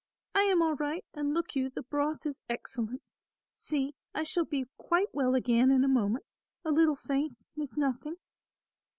I am all right and, look you, the broth is excellent. See, I shall be quite well again in a moment. A little faint is nothing.